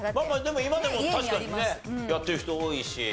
でも今でも確かにねやってる人多いし。